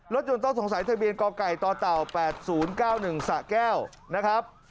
ยนต้องสงสัยทะเบียนกไก่ต่อเต่า๘๐๙๑สะแก้วนะครับ